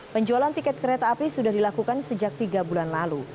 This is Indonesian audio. penjualan tiket kereta api sudah dilakukan sejak tiga bulan lalu